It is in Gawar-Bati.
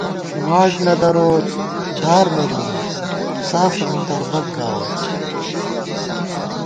واٹ نہ دروت، دار نہ دروت ،سافہ انتر بَک گاوون